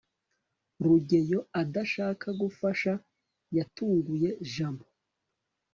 rugeyo adashaka gufasha yatunguye jabo